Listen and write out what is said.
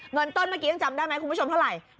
เงินต้นเมื่อกี้ยังจำได้ไหมคุณผู้ชมเท่าไหร่